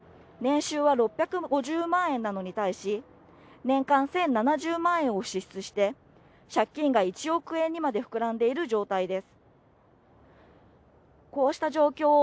来年度の国の財政を家計にたとえると年収は６５０万円なのに対し、年間１０７０万円を支出して、借金が１億円にまで膨らんでいる状態です。